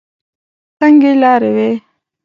تنګې لارې وې.